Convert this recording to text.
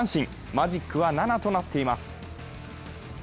マジックは７となっています。